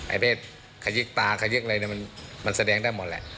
เพศขยิกตาขยิกอะไรเนี่ยมันแสดงได้หมดแหละ